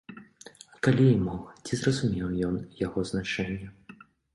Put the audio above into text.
А калі і мог, ці зразумеў ён яго значэнне?